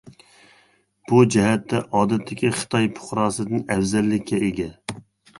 بۇ جەھەتتە ئادەتتىكى خىتاي پۇقراسىدىن ئەۋزەللىككە ئىگە.